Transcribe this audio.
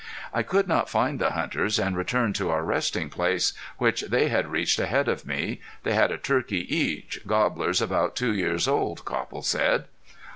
I could not find the hunters, and returned to our resting place, which they had reached ahead of me. They had a turkey each, gobblers about two years old Copple said.